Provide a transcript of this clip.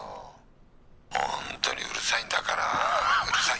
本当にうるさいんだからうるさい！